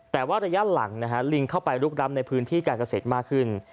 แต่ว่าระยะหลังลิงเข้าไปลุกล้ำในพื้นที่การเกษตรมากขึ้น